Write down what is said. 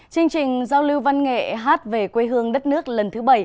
chương trình giao lưu văn nghệ hát về quê hương đất nước lần thứ bảy